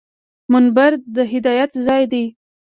منبر د هدایت ځای دی